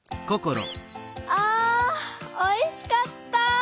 あおいしかった。